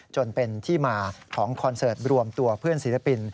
จนเป็นที่มาของคอนเสิร์ตรวมตัวเพื่อนศิลปิน